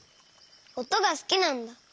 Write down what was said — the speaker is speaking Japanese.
おとがすきなんだ。